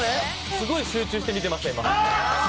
すごい集中して見てました今。